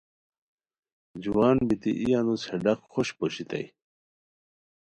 جوان بیتی ای انوس ہے ڈاق خوشپ پوشیتائے